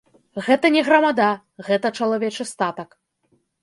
Гэта не грамада, гэта чалавечы статак.